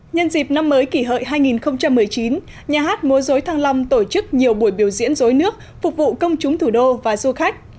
nhân dịp năm mới kỷ hợi hai nghìn một mươi chín nhà hát múa dối thăng long tổ chức nhiều buổi biểu diễn rối nước phục vụ công chúng thủ đô và du khách